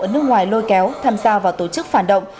ở nước ngoài lôi kéo tham gia vào tổ chức phản động